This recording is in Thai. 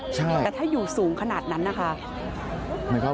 ใช่นั่นถ้าอยู่สูงขนาดนั้นน่ะครับ